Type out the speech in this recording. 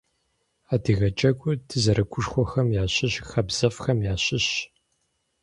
Адыгэ джэгур дызэрыгушхуэхэм ящыщ хабзэфӏхэм ящыщщ.